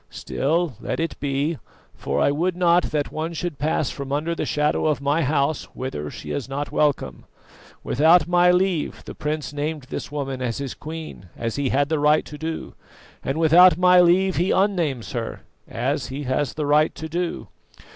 Still, let it be, for I would not that one should pass from under the shadow of my house whither she is not welcome. Without my leave the prince named this woman as his queen, as he had the right to do; and without my leave he unnames her, as he has the right to do.